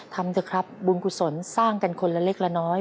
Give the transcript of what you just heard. ทำเถอะครับบุญกุศลสร้างกันคนละเล็กละน้อย